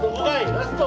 ラスト！